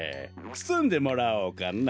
つつんでもらおうかな。